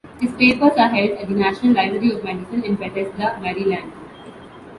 His papers are held at the National Library of Medicine in Bethesda, Maryland.